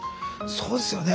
そうですよね。